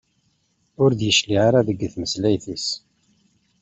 Ur d-yecliε ara deg tmeslayt-is.